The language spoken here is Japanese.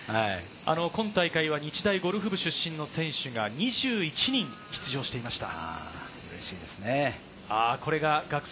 今大会は日大ゴルフ部出身の選手が２１人出場していました。